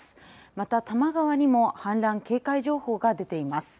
また、玉川にも氾濫警戒情報が出ています。